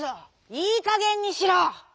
いいかげんにしろ！」。